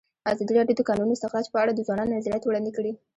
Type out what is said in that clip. ازادي راډیو د د کانونو استخراج په اړه د ځوانانو نظریات وړاندې کړي.